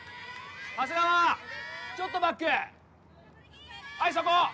長谷川ちょっとバックはいそこ！